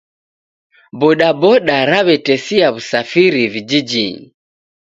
Bodaboda raw'atesia w'usafiri vijijinyi